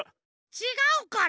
ちがうから。